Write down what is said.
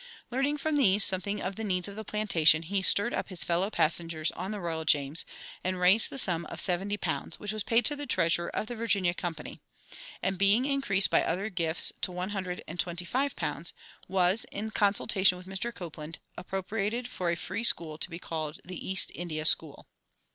Learning from these something of the needs of the plantation, he stirred up his fellow passengers on the "Royal James," and raised the sum of seventy pounds, which was paid to the treasurer of the Virginia Company; and, being increased by other gifts to one hundred and twenty five pounds, was, in consultation with Mr. Copland, appropriated for a free school to be called the "East India School."